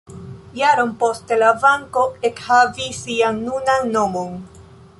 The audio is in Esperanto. Jaron poste la banko ekhavis sian nunan nomon.